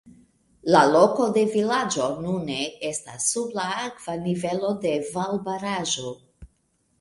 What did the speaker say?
La loko de vilaĝo nune estas sub la akva nivelo de valbaraĵo.